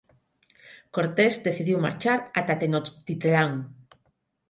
Cortés decidiu marchar ata Tenochtitlán.